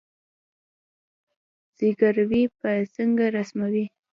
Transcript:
زګیروي به څنګه رسموي